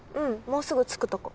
もうすぐ着くとこ。